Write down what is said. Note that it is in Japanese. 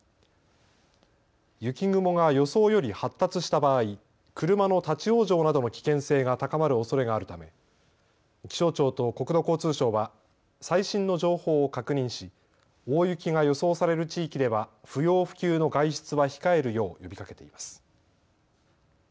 雪雲が予想より発達した場合、車の立往生などの危険性が高まるおそれがあるため気象庁と国土交通省は最新の情報を確認し大雪が予想される地域では不要不急の外出は控えるよう呼びかけています。